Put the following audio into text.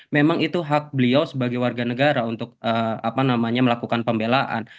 memang itu hak beliau sebagai warga negara untuk melakukan pembelaan